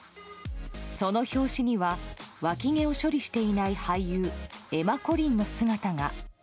その表紙にはわき毛を処理していない俳優エマ・コリンの姿が。